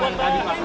pak gibran ya pak